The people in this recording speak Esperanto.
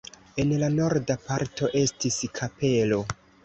En la norda parto estis kapelo.